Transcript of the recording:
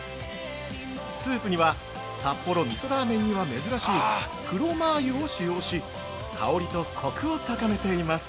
スープには札幌みそラーメンには珍しい黒マー油を使用し香りとコクを高めています。